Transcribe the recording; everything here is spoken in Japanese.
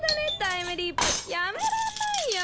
タイムリープやめらんないよ